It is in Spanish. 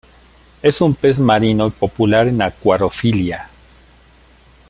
Es un pez marino popular en acuariofilia.